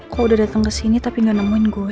kok udah dateng kesini tapi nggak nemuin gue